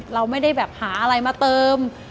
เราไม่ได้แบบหาอะไรมาเติม